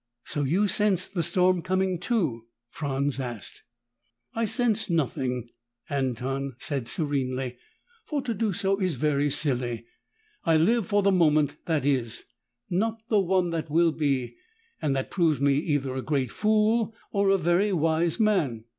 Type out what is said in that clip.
"So you sense the storm coming, too?" Franz asked. "I sense nothing," Anton said serenely, "for to do so is very silly. I live for the moment that is, not the one that will be, and that proves me either a great fool or a very wise man.